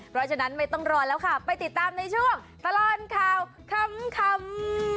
เพราะฉะนั้นไม่ต้องรอแล้วค่ะไปติดตามในช่วงตลอดข่าวขำ